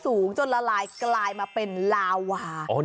สูงจนละลายกลายมาเป็นลาวา